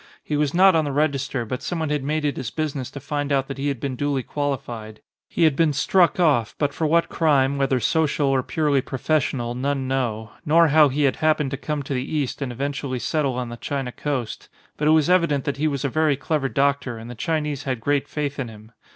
He was not on the register, but someone had made it his business to find out that he had been duly qualified ; he had been struck off, but for what crime, whether social or purely professional, none know; nor how he had hap pened to come to the East and eventually settle on the China coast. But it was evident that he was a very clever doctor and the Chinese had great faith in him.